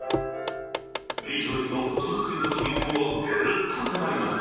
ビートルズの音作りの秘密にもぐーっと迫ります。